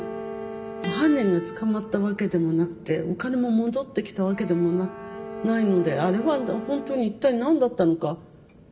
犯人が捕まったわけでもなくてお金も戻ってきたわけでもないのであれは本当に一体何だったのか。